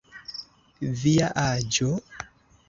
Via aĝo?